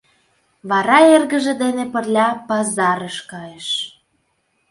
Вара эргыже дене пырля пазарыш кайыш.